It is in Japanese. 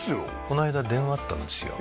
この間電話あったんですよ